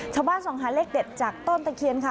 ส่องหาเลขเด็ดจากต้นตะเคียนค่ะ